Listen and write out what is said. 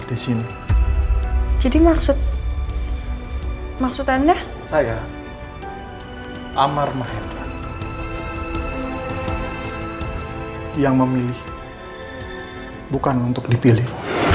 di sini jadi maksud maksud anda saya amar mahendra yang memilih bukan untuk dipilih